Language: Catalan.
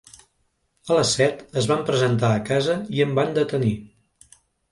A les set es van presentar a casa i em van detenir.